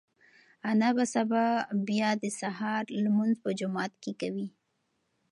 انا به سبا بیا د سهار لمونځ په جومات کې کوي.